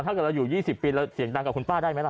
ถ้าเกิดเราอยู่๒๐ปีเราเสียงดังกับคุณป้าได้ไหมล่ะ